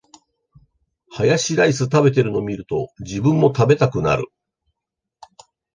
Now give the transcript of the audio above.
ハヤシライス食べてるの見ると、自分も食べたくなる